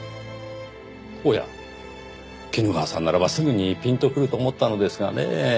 おや衣川さんならばすぐにピンとくると思ったのですがねぇ。